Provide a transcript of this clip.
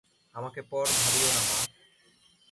আমাকে পর ভাবিয়ো না মা!